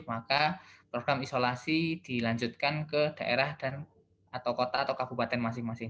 maka program isolasi dilanjutkan ke daerah atau kota atau kabupaten masing masing